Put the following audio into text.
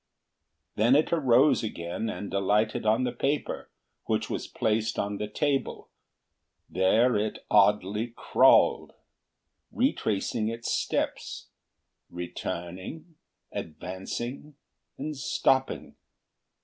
Then it arose again and alighted on the paper which was placed on the table; there it oddly crawled, retracing its steps, returning, advancing, and stopping.